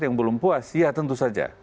yang belum puas ya tentu saja